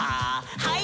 はい。